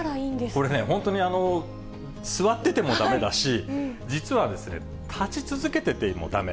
これね、本当に座っててもだめだし、実はですね、立ち続けていてもだめ。